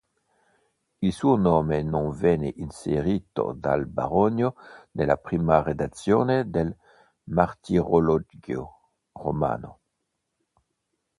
Il suo nome non venne inserito dal Baronio nella prima redazione del Martirologio Romano.